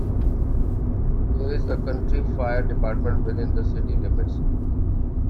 There is a county fire department within the city limits.